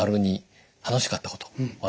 ②「楽しかったこと」